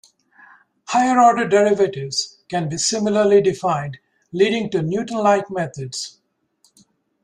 Higher order derivatives can be similarly defined, leading to Newtonlike methods.